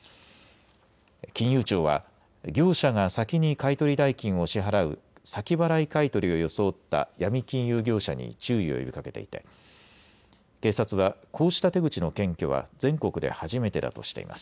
金融庁は業者が先に買い取り代金を支払う先払い買い取りを装ったヤミ金融業者に注意を呼びかけていて警察はこうした手口の検挙は全国で初めてだとしています。